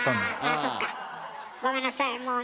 あそっかごめんなさい。